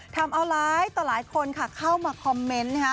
ทำเอาหลายต่อหลายคนค่ะเข้ามาคอมเมนต์นะคะ